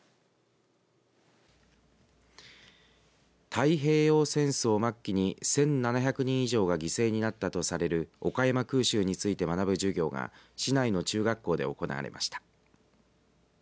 太平洋戦争末期に１７００人以上が犠牲となったとされる岡山空襲について学ぶ授業が市内の中学校で行われました。